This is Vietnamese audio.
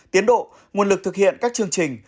tiến độ nguồn lực thực hiện các chương trình